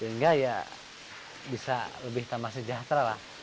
sehingga ya bisa lebih tambah sejahtera lah